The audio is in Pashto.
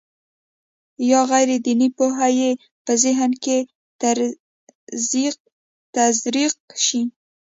یا غیر دیني پوهه یې په ذهن کې تزریق شي.